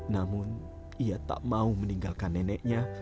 namun ia tak mau meninggalkan neneknya